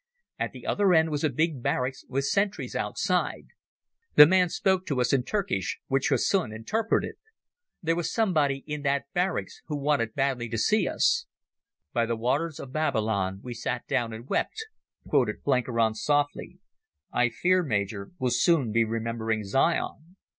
At the other end was a big barracks with sentries outside. The man spoke to us in Turkish, which Hussin interpreted. There was somebody in that barracks who wanted badly to see us. "By the waters of Babylon we sat down and wept," quoted Blenkiron softly. "I fear, Major, we'll soon be remembering Zion."